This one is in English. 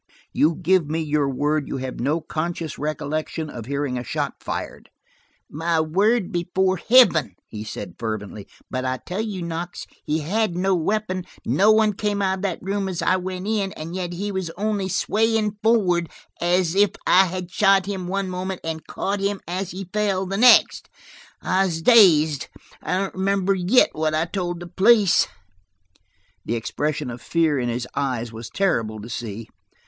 "You give me your word you have no conscious recollection of hearing a shot fired." "My word before Heaven," he said fervently. "But I tell you, Knox, he had no weapon. No one came out of that room as I went in and yet he was only swaying forward, as if I had shot him one moment, and caught him as he fell, the next. I was dazed; I don't remember yet what I told the police." The expression of fear in his eyes was terrible to see.